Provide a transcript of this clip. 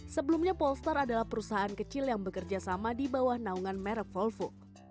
sebelumnya polster adalah perusahaan kecil yang bekerja sama di bawah naungan merek volvoo